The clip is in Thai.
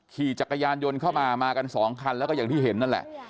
ขี่จักรยานยนต์เข้ามามากันสองคันแล้วก็อย่างที่เห็นนั่นแหละ